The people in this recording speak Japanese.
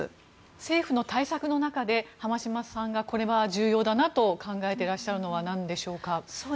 政府の対策の中で濱島さんが、これは重要だなと考えていらっしゃるのはなんでしょうか。